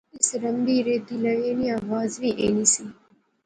اس رمبی ریتی لغے نی آواز وی اینی سی